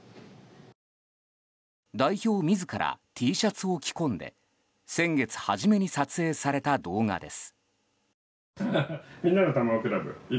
代表自らＴシャツを着込んで先月初めに撮影された動画です。